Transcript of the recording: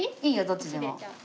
どっちでも。